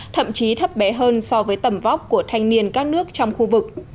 thậm chí thấp bé hơn so với tầm vóc của thanh niên các nước trong khu vực